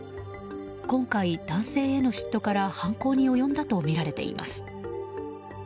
今回、男性への嫉妬から犯行に及んだとみられています。